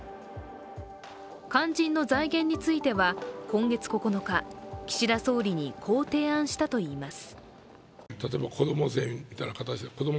肝心の財源については今月９日、岸田総理にこう提案したといいます。